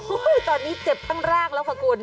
อุ้ยตอนนี้เจ็บตั้งรากแล้วค่ะคุณ